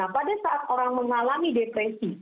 pada saat orang mengalami depresi